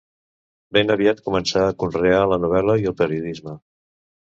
Ben aviat començà a conrear la novel·la i el periodisme.